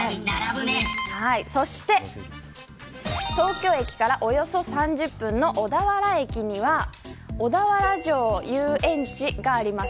そして東京駅からおよそ３０分の小田原駅には小田原城遊園地があります。